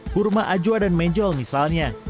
kurma ajwa dan menjol misalnya